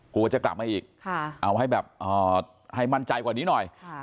กลัวจะกลับมาอีกเอาให้แบบให้มั่นใจกว่านี้หน่อย